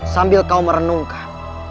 sambil kau merenungkan